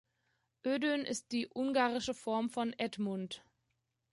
Ödön ist die ungarische Form von Edmund.